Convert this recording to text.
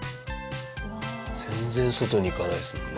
全然外にいかないですもんね。